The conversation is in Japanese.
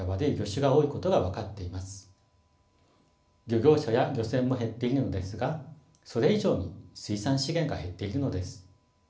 漁業者や漁船も減っているのですがそれ以上に水産資源が減っているのです。